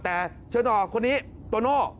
แต่เชิญต่อคนนี้โตโน่